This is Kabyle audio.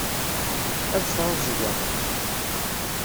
Ad sɛuẓẓgeɣ.